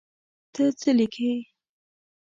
ته څه لیکې.